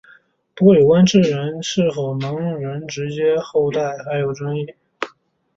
不过有关智人是否能人的直接后代还有争议。